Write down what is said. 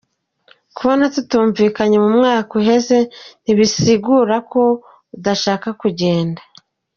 "Kubona tutumvikanye mu mwaka uheze, ntibisigura ko adashaka kugenda.